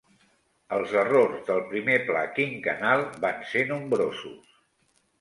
Els errors del primer pla quinquennal van ser nombrosos.